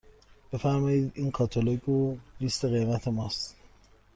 بفرمایید این کاتالوگ و لیست قیمت ماست.